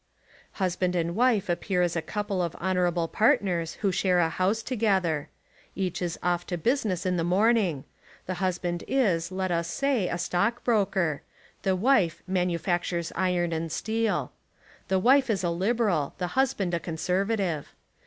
Husband and wife appear as a couple of honourable part ners who share a house together. Each is off 153 Essays and Literary Studies to business in the morning. The husband is, let us say, a stock broker: the wife manufac tures iron and steel. The wife is a Liberal, the husband a Conservative.